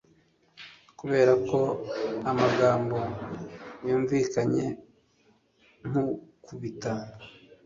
Kuberako amagambo yumvikanye nkugukubita